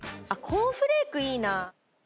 コーンフレークいいな！